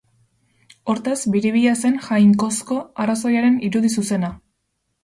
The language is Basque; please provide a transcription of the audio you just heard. Hortaz, biribila zen jainkozko arrazoiaren irudi zuzena.